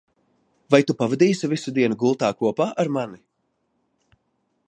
Vai tu pavadīsi visu dienu gultā kopā ar mani?